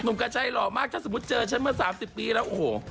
หนุมกัชชัยหรอกมากถ้าสมมุติเจอฉันเมื่อสามสิบปีแล้วโอโฮ